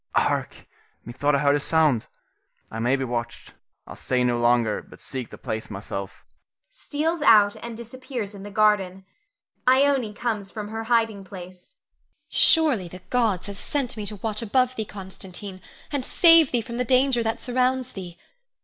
Hark! methought I heard a sound. I may be watched. I'll stay no longer, but seek the place myself [steals out and disappears in the garden]. [Ione comes from her hiding place. Ione. Surely the gods have sent me to watch above thee, Constantine, and save thee from the danger that surrounds thee.